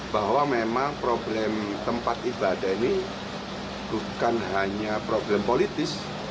bahwa memang problem tempat ibadah ini bukan hanya problem politis